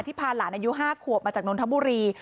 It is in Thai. พาหลานอายุ๕ขวบมาจากนนทบุรี